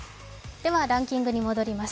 ランキングに戻ります。